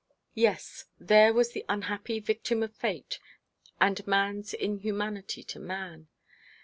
Yes, there was the unhappy victim of fate, and man's inhumanity to man.